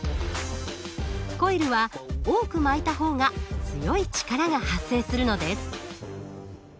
コイルは多く巻いた方が強い力が発生するのです。